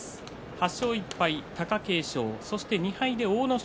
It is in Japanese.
８勝１敗貴景勝そして２敗で阿武咲